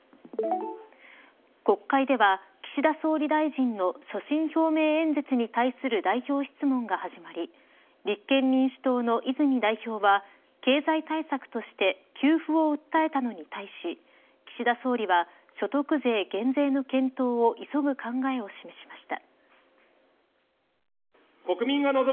国会では岸田総理大臣の所信表明演説に対する代表質問が始まり立憲民主党の泉代表は経済対策として給付を訴えたのに対し岸田総理は所得税減税の検討を急ぐ考えを示しました。